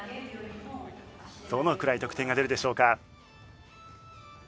どのくらい得点が出るでしょうか？